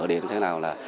đến thế nào là